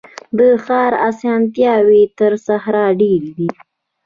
د ښار اسانتیاوي تر صحرا ډیري دي.